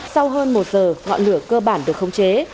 sau hơn một giờ ngọn lửa cơ bản được khống chế